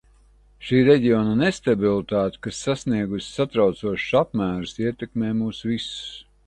Šī reģiona nestabilitāte, kas sasniegusi satraucošus apmērus, ietekmē mūs visus.